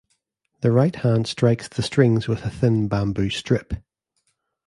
The right hand strikes the strings with a thin bamboo strip.